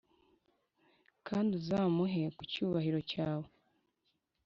Kandi uzamuhe ku cyubahiro cyawe